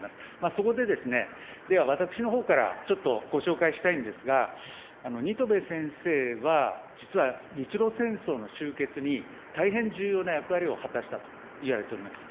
そこでですね、では私のほうからちょっとご紹介したいんですが、新渡戸先生は、実は日露戦争の終結に大変重要な役割を果たしたといわれております。